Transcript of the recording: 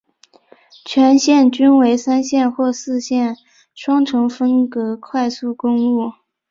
全线均为三线或四线双程分隔快速公路。